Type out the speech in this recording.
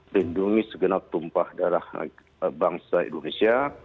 lindungi segenap tumpah darah bangsa indonesia